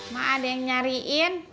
ma ada yang nyariin